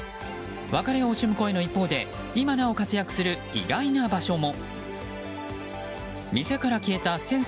別れを惜しむ声の一方で今なお活躍する意外な場所も。